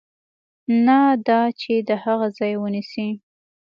نه دا چې د هغه ځای ونیسي.